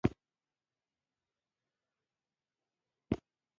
کله چې مازدیګر شي کلیوال د ورځې پېښې اوري.